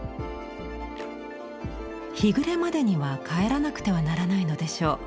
日暮れまでには帰らなくてはならないのでしょう。